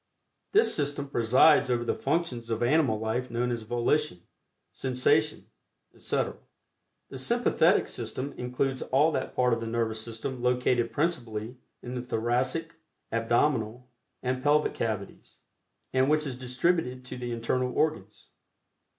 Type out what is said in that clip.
This system presides over the functions of animal life known as volition, sensation, etc. The Sympathetic System includes all that part of the Nervous System located principally in the thoracic, abdominal and pelvic cavities, and which is distributed to the internal organs.